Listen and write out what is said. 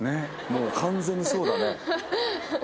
もう完全にそうだね・